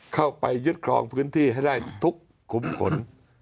เข้าไปยึดครองพื้นที่ให้ได้ทุกขุมขน